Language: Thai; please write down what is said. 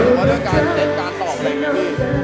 แต่ว่าในการสังเกตการณ์สอบแบบนี้